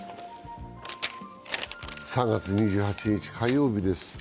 ３月２８日火曜日です。